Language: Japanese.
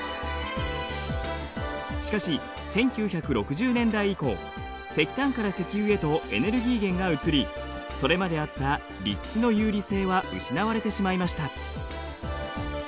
しかし１９６０年代以降石炭から石油へとエネルギー源が移りそれまであった立地の有利性は失われてしまいました。